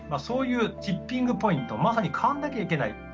そういうティッピングポイントまさに変わんなきゃいけない。